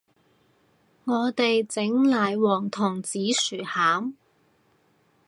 我哋整奶黃同紫薯餡